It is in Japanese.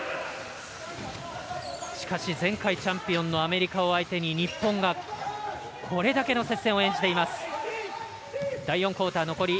しかし前回チャンピオンのアメリカを相手に日本がこれだけの接戦を演じています。